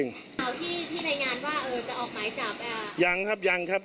เจ้าที่ได้งานว่าจะออกหมายจับ